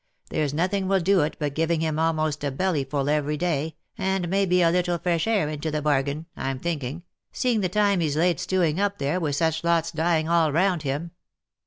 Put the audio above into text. There's nothing will do it but giving him amost a bellyful every day, and maybe a little fresh air into the bargain, I'm thinking, seeing the time he's laid stewing up there, with such lots dying all round him."